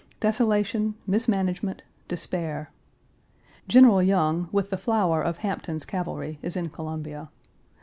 Desolation, mismanagement, despair. General Young, with the flower of Hampton's cavalry, is in Columbia.